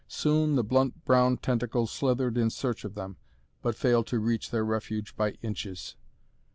Soon the blunt brown tentacles slithered in search of them, but failed to reach their refuge by inches.